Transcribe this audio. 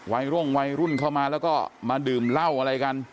ร่วงวัยรุ่นเข้ามาแล้วก็มาดื่มเหล้าอะไรกัน